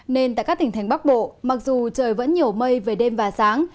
nên tại các tỉnh thành bắc bộ mặc dù trời vẫn nhiều mây về đêm và sáng